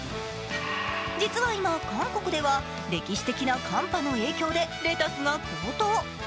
実は今、韓国では歴史的な寒波の影響でレタスが高騰。